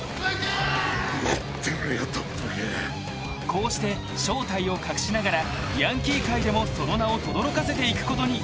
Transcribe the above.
［こうして正体を隠しながらヤンキー界でもその名をとどろかせていくことに］